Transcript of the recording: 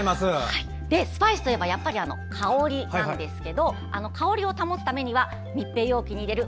スパイスといえば香りなんですが香りを保つためには密閉容器に入れる。